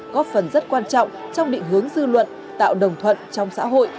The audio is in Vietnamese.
góp phần rất quan trọng trong định hướng dư luận tạo đồng thuận trong xã hội